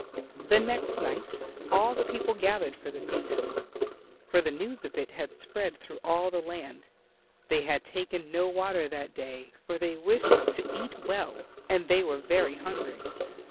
The next night all the people gathered for the feast, for the news of it had spread through all the land. They had taken no water that day, for they wished to eat well, and they were very hungry.